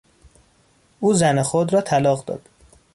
او زن خود را طلاق داد.